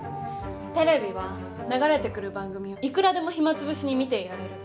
テレビは流れてくる番組をいくらでも暇潰しに見ていられる。